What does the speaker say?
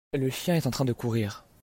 Le chien est en train de courrir.